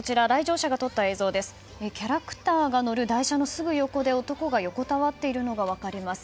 キャラクターが乗る台車のすぐ横で男が横たわっているのが分かります。